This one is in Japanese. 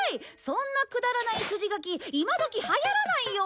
そんなくだらない筋書き今どきはやらないよ！